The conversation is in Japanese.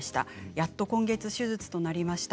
やっと今月、手術となりました。